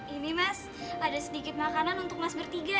ini mas ada sedikit makanan untuk mas bertiga